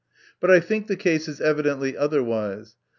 But I think the case is evidently otherwise.